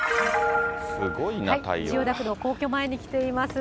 すごいな、千代田区の皇居前に来ています。